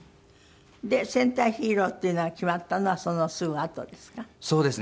で戦隊ヒーローっていうのが決まったのはそのすぐあとですか？